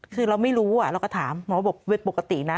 คือเราไม่รู้เราก็ถามหมอบอกเป็นปกตินะ